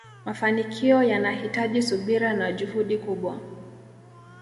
mafanikio yanahitaji subira na juhudi kubwa